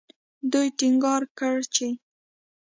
دوی ټینګار کړی چې